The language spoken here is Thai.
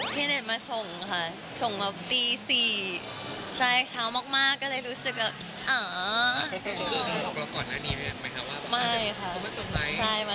พี่แดดมาส่งค่ะส่งแบบตี๔ช้าแรกเช้ามากก็เลยรู้สึกว่าอ๋อ